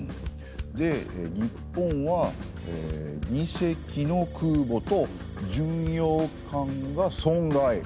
で日本は「二隻の空母と巡洋艦が損害」。